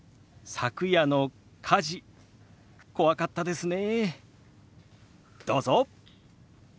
昨夜の火事怖かったですね。